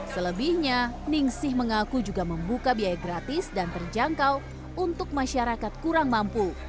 selebihnya ningsih mengaku juga membuka biaya gratis dan terjangkau untuk masyarakat kurang mampu